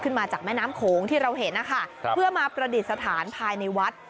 มาจากแม่น้ำโขงที่เราเห็นนะคะเพื่อมาประดิษฐานภายในวัด